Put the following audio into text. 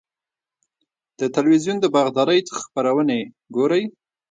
د تلویزیون د باغدارۍ خپرونې ګورئ؟